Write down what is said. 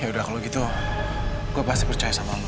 ya udah kalau gitu gue pasti percaya sama aku